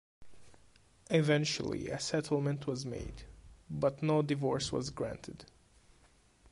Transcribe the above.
Eventually a settlement was made, but no divorce was granted.